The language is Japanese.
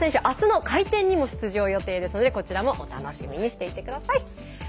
あすの回転にも出場予定ですのでこちらも楽しみにしていてください。